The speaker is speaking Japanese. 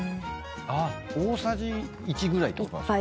大さじ１ぐらいってことなんですか。